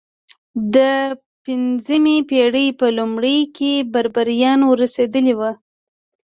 د پنځمې پېړۍ په لومړیو کې بربریان ور رسېدلي وو.